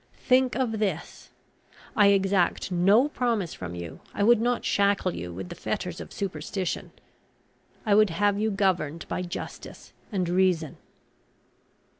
Think of this. I exact no promise from you. I would not shackle you with the fetters of superstition; I would have you governed by justice and reason."